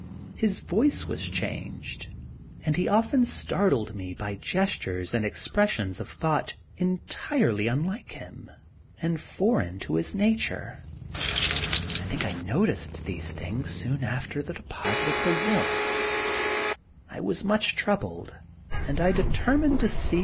His voice was changed; and he often startled me by gestures and expressions of thought entirely unlike him, and foreign to his nature. I think I noticed these things soon after the deposit of the will. I was much troubled, and I determined to see Dr. Jekyll and Mr. Hyde.